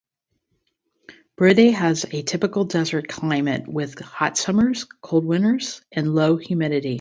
Buraydah has a typical desert climate, with hot summers, cold winters and low humidity.